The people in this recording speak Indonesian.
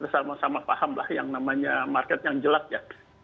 dan kemudian tip selanjutnya adalah berhati hati ketika belanja online